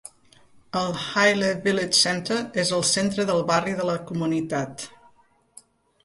El Haile Village Center és el centre del barri de la comunitat.